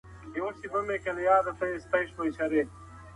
زه بايد مرسته وکړم.